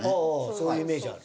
そういうイメージある。